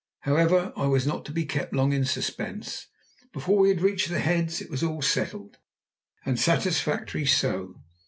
However, I was not to be kept long in suspense. Before we had reached the Heads it was all settled, and satisfactorily so.